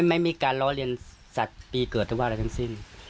ไม่มีการล้อเลียนสัตว์ปีเกิดหรือว่าอะไรทั้งสิ้น